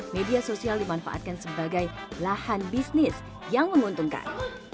media sosial dimanfaatkan sebagai lahan bisnis yang menguntungkan